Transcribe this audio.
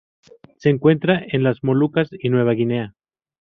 Se encuentra en las Molucas y Nueva Guinea.